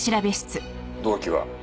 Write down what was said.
動機は？